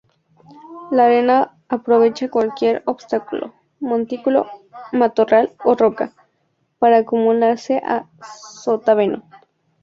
La arena aprovecha cualquier obstáculo, montículo, matorral o roca, para acumularse a sotavento.